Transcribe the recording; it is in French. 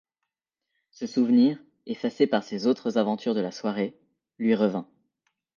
Ce souvenir, effacé par ses autres aventures de la soirée, lui revint.